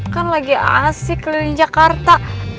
kan lagi asik keliling jakarta